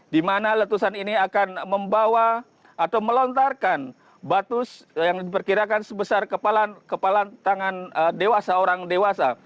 di mana letusan ini akan membawa atau melontarkan batu yang diperkirakan sebesar kepala tangan dewasa orang dewasa